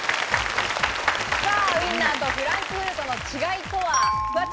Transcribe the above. ウインナーとフランクフルトの違いとは？